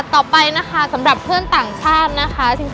ต่อไปนะคะสำหรับเพื่อนต่างชาตินะคะ